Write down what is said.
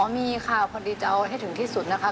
มีค่ะพอดีจะเอาให้ถึงที่สุดนะคะ